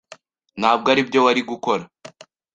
Ntabwo aribyo wari gukora?